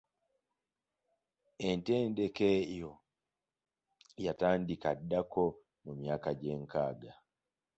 Entendeka eyo yatandika ddako mu myaka gy'enkaga.